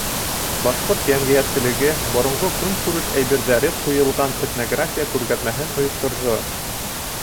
Башҡорт йәмәғәтселеге боронғо көнкүреш әйберҙәре ҡуйылған этнография күргәҙмәһен ойошторҙо.